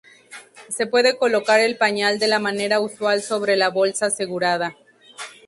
Se puede colocar el pañal de la manera usual sobre la bolsa asegurada.